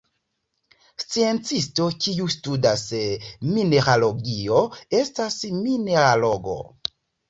Sciencisto kiu studas mineralogio estas mineralogo.